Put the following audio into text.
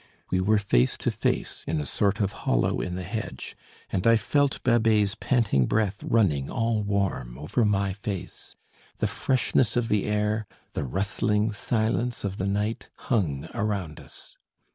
We were face to face, in a sort of hollow in the hedge, and I felt Babet's panting breath running all warm over my face. The freshness of the air, the rustling silence of the night, hung around us.